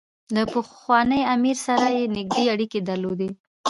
له پخواني امیر سره یې نېږدې اړیکې درلودې.